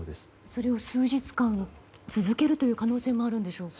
それを数日間続けるという可能性もあるんでしょうか。